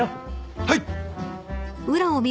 はい。